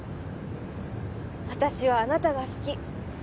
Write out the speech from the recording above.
私はあなたが好き